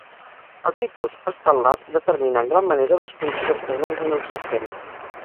El tipus estel·lar determina en gran manera les condicions presents en un sistema.